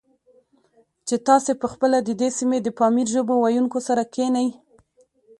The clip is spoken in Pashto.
چې تاسې په خپله د دې سیمې د پامیري ژبو ویونکو سره کښېنئ،